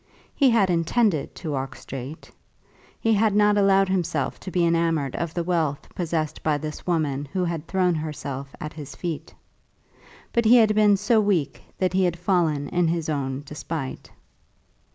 He had intended to walk straight. He had not allowed himself to be enamoured of the wealth possessed by this woman who had thrown herself at his feet. But he had been so weak that he had fallen in his own despite.